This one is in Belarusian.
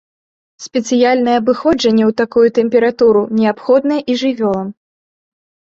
Спецыяльнае абыходжанне ў такую тэмпературу неабходнае і жывёлам.